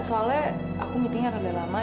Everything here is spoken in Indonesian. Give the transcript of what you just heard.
soalnya aku meetingnya rada lama